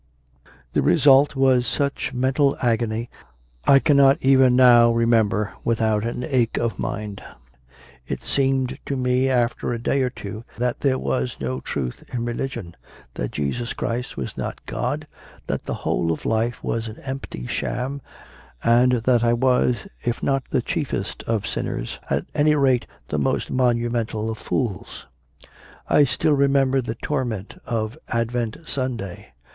The result was such mental agony as I cannot even now remember without an ache of mind. It seemed to me, after a day or two, that there was no truth in religion, that Jesus Christ was not God, that the whole of life was an empty sham, and that I was, if not the chiefest of sinners, at any rate the most monumental of fools. I still remember the torment of Advent Sunday.